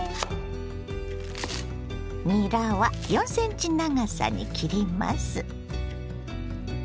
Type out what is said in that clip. にらは４ｃｍ長さに切ります。